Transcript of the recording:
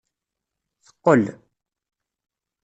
Teqqel.